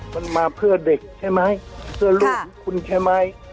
มันมาเพื่อเด็กใช่ไหมเพื่อลูกของคุณใช่ไหม